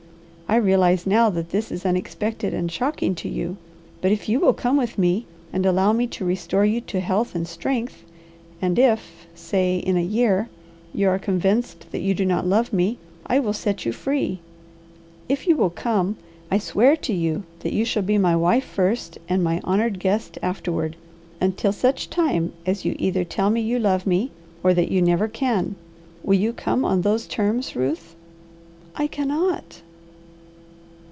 I realize now that this is unexpected and shocking to you, but if you will come with me and allow me to restore you to health and strength, and if, say, in a year, you are convinced that you do not love me, I will set you free. If you will come, I swear to you that you shall be my wife first, and my honoured guest afterward, until such time as you either tell me you love me or that you never can. Will you come on those terms, Ruth?" "I cannot!"